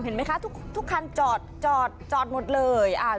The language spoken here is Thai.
เห็นไหมคะทุกคันจอดจอดหมดเลย